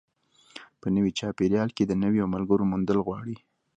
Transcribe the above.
په نوي چاپېریال کې د نویو ملګرو موندل غواړي.